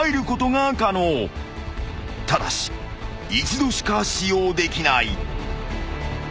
［ただし一度しか使用できない］